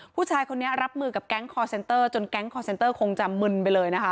ผู้ชายคนนี้รับมือกับแก๊งคอร์เซ็นเตอร์จนแก๊งคอร์เซนเตอร์คงจะมึนไปเลยนะคะ